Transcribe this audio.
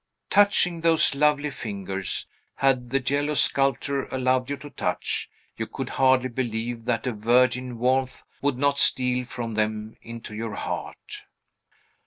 Touching those lovely fingers, had the jealous sculptor allowed you to touch, you could hardly believe that a virgin warmth would not steal from them into your heart.